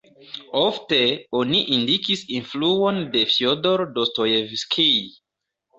Ofte oni indikis influon de Fjodor Dostojevskij.